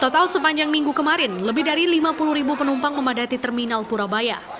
total sepanjang minggu kemarin lebih dari lima puluh ribu penumpang memadati terminal purabaya